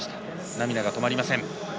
涙が止まりません。